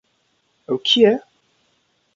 Ew kî ye?